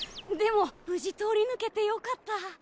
でも無事通り抜けてよかった。